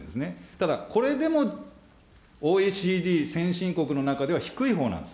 ただ、これでもＯＥＣＤ先進国の中では低いほうなんです。